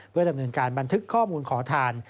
เพื่อดำเนินการบันทึกข้อมูลขอทาน